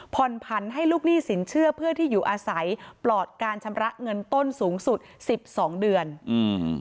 ผ่อนผันให้ลูกหนี้สินเชื่อเพื่อที่อยู่อาศัยปลอดการชำระเงินต้นสูงสุดสิบสองเดือนอืม